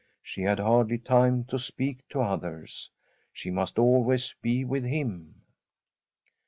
She had hardly time to speak to others. She must always be with him.